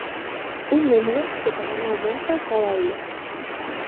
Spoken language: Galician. Un número que tamén aumenta cada día.